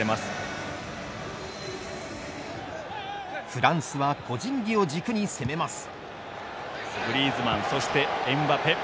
フランスは個人技を軸に攻めます。